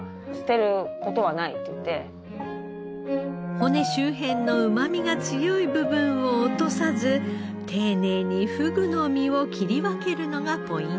骨周辺のうまみが強い部分を落とさず丁寧にふぐの身を切り分けるのがポイント。